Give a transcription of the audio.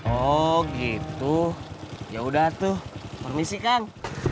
oh gitu yaudah tuh permisi kang